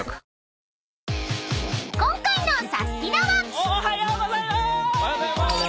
おはようございまーす‼